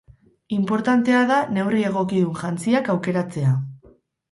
Inportantea da neurri egokidun jantziak aukeratzea.